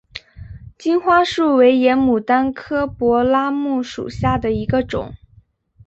金花树为野牡丹科柏拉木属下的一个种。